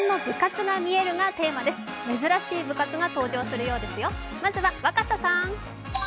珍しい部活が登場するようですよ。